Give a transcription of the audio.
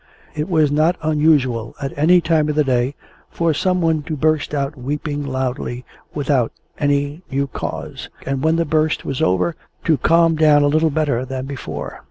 It was not unusual at any time of the day for some one to burst out weeping loudly without any new cause; and, when the burst was over, to calm down a little better than before.